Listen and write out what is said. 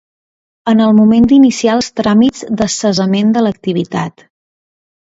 En el moment d'iniciar els tràmits de cessament de l'activitat.